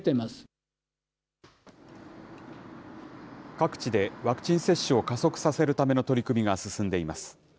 各地でワクチン接種を加速させるための取り組みが進んでいます。